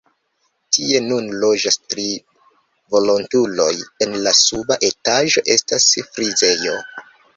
Tie nun loĝas tri volontuloj, en la suba etaĝo estas frizejo.